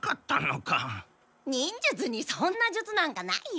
忍術にそんな術なんかないよ。